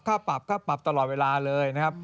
ค่าปรับตลอดเวลาเลยนะครับ